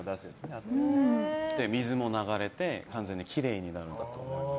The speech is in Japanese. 水も流れて、完全にきれいになるんだと思います。